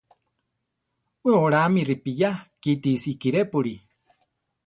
We oráame ripiya kíti sikirépuli.